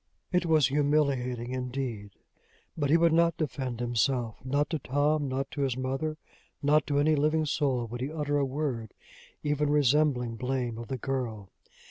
It was humiliating, indeed! But he would not defend himself. Not to Tom, not to his mother, not to any living soul, would he utter a word even resembling blame of the girl!